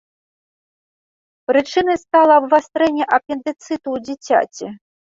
Прычынай стала абвастрэнне апендыцыту ў дзіцяці.